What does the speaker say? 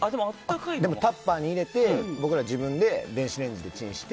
タッパーに入れて僕らが自分で電子レンジでチンして。